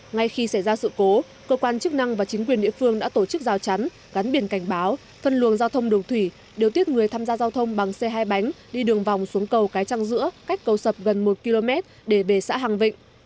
ngay khi xảy ra sự cố cơ quan chức năng và chính quyền địa phương đã tổ chức giao chắn gắn biển cảnh báo phân luồng giao thông đường thủy điều tiết người tham gia giao thông bằng xe hai bánh đi đường vòng xuống cầu cái trăng giữa cách cầu sập gần một km để về xã hàng vịnh